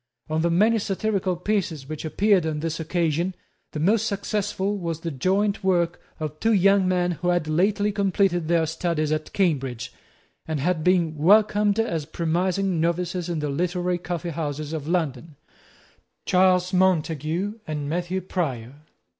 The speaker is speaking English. Of the many satirical pieces which appeared on this occasion, the most successful was the joint work of two young men who had lately completed their studies at Cambridge, and had been welcomed as promising novices in the literary coffee houses of London, Charles Montague and Matthew Prior.